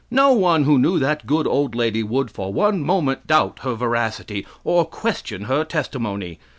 No one who knew that good old lady would for one moment doubt her veracity, or question her testimony.